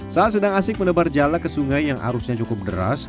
saat sedang asik menebar jala ke sungai yang arusnya cukup deras